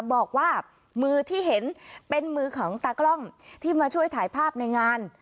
บอกว่ามือที่เห็นเป็นมือของตากล้องที่มาช่วยถ่ายภาพในงาน